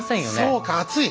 そうか暑い！